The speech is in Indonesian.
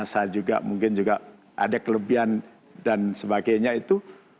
saya juga mungkin juga ada kelebihan dan sebagainya itu